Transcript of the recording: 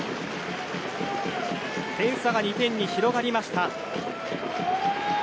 点差が２点に広がりました。